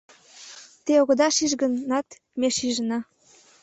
Те огыда шиж гынат, ме шижына.